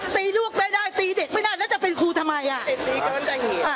ตีลูกไม่ได้ตีเด็กไม่ได้แล้วจะเป็นครูทำไมอ่ะ